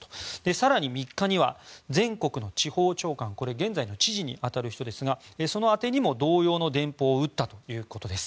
更に３日には、全国の地方長官現在の知事に当たる人ですがその宛てにも同様の電報を打ったということです。